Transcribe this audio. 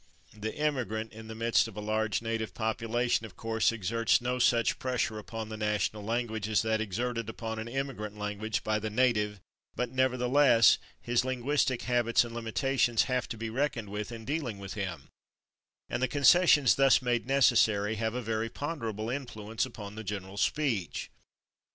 The immigrant in the midst of a large native population, of course, exerts no such pressure upon the national language as that exerted upon an immigrant language by the native, but nevertheless his linguistic habits and limitations have to be reckoned with in dealing with him, and the concessions thus made necessary have a very ponderable influence upon the general speech.